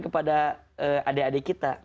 kepada adik adik kita